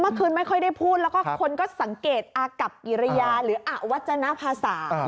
ไม่ค่อยได้พูดแล้วก็คนก็สังเกตอากับกิริยาหรืออวัจนภาษา